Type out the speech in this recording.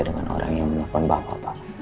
dengan orang yang menelpon bapak